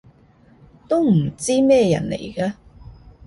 都唔知咩人嚟㗎